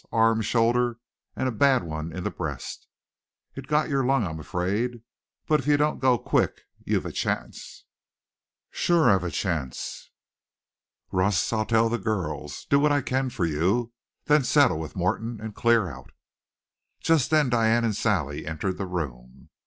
Arm, shoulder, and a bad one in the breast. It got your lung, I'm afraid. But if you don't go quick, you've a chance." "Sure I've a chance." "Russ, I'll tell the girls, do what I can for you, then settle with Morton and clear out." Just then Diane and Sally entered the room.